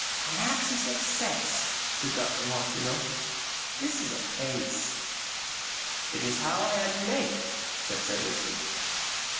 "An access of sex," said Dr. Martineau. "This is a phase...." "It is how I am made," said Sir Richmond.